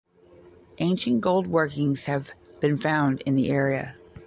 Ancient gold workings have been found in the area.